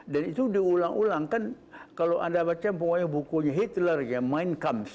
dan itu diulang ulang kan kalau anda baca bukunya hitler yang mind comes